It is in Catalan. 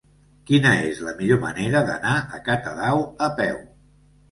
Quina és la millor manera d'anar a Catadau a peu?